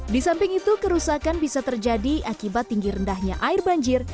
di samping itu kerusakan bisa terjadi akibat tinggi rendahnya air banjir